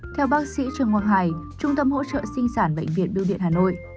theo bác sĩ trường hoàng hải trung tâm hỗ trợ sinh sản bệnh viện biêu điện hà nội